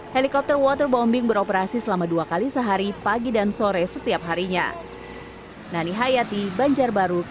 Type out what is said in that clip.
helikopter waterbombing beroperasi selama dua kali sehari pagi dan sore setiap harinya